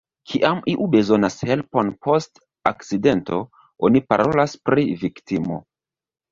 Kiam iu bezonas helpon post akcidento, oni parolas pri viktimo.